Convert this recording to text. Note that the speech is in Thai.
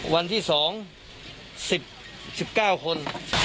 วันที่๒๑๙คน